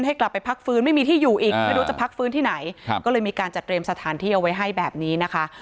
ให้กลับไปพักฟื้นไม่มีที่อยู่อีกไม่รู้จะพักฟื้นที่ไหนก็เลยมีการจัดเตรียมสถานที่เอาไว้ให้แบบนี้นะคะ